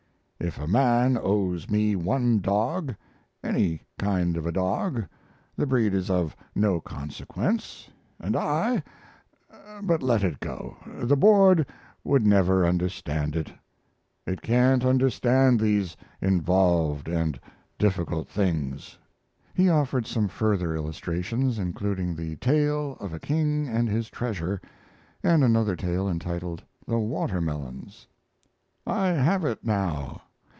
If a man owes me one dog any kind of a dog, the breed is of no consequence and I but let it go; the board would never understand it. It can't understand these involved and difficult things. He offered some further illustrations, including the "Tale of a King and His Treasure" and another tale entitled "The Watermelons." I have it now.